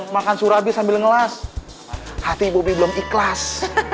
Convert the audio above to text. makan surabi sambil ngelas hati bobi belum ikhlas